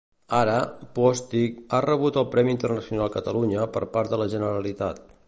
Ara, Postic ha rebut el premi Internacional Catalunya per part de la Generalitat.